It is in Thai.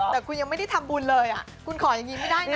แต่คุณยังไม่ได้ทำบุญเลยคุณขออย่างนี้ไม่ได้นะ